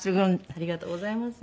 ありがとうございます。